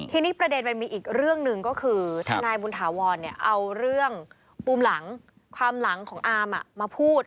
ทีนี้ประเด็นมันมีอีกเรื่องหนึ่งก็คือทนายบุญถาวรเอาเรื่องปุ่มหลังความหลังของอามมาพูด